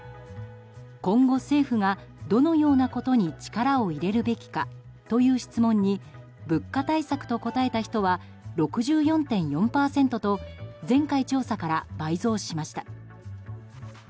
今後、政府がどのようなことに力を入れるべきかという質問に物価対策と答えた人は６４．４％と前回調査から倍増しました。